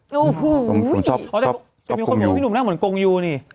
อ๋อแต่มีคนหว่างพี่หนุ่มน่าเหมือนกงยูนี่